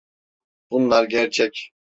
Bunlar gerçek.